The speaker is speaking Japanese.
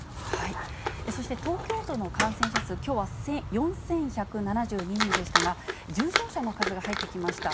そして東京都の感染者数、きょうは４１７２人でしたが、重症者の数が入ってきました。